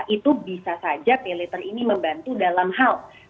itu bisa saja paylater ini membantu dalam hal